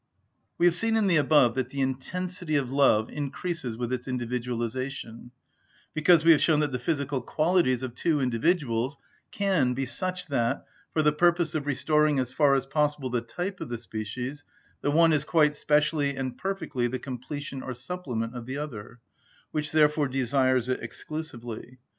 We have seen in the above that the intensity of love increases with its individualisation, because we have shown that the physical qualities of two individuals can be such that, for the purpose of restoring as far as possible the type of the species, the one is quite specially and perfectly the completion or supplement of the other, which therefore desires it exclusively.